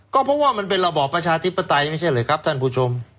ก็เพราะว่ามันเป็นระบอบประชาธิปไตยไม่ใช่เลยครับท่านผู้ชม